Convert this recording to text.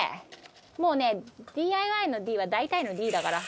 もうねＤＩＹの「Ｄ」は「大体」の「Ｄ」だから。